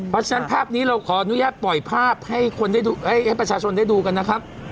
เพราะฉะนั้นภาพนี้เราขออนุญาตปล่อยภาพให้คนให้ประชาชนได้ดูกันนะครับ